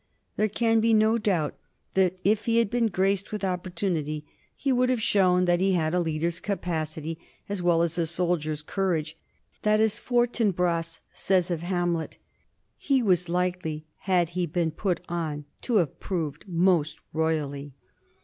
There can be no doubt that if he had been graced with opportunity he would have shown that he had a leader's capacity as well as a soldier's courage that, as Fortinbras says of Hamlet, "He was likely had he been put on to have proved most royally."